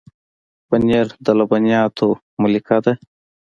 پنېر د لبنیاتو ملکه ده.